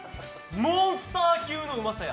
モンスター級のうまさや。